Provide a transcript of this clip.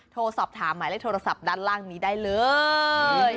โทรสอบถามหมายเลขโทรศัพท์ด้านล่างนี้ได้เลย